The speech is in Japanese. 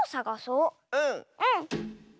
うん！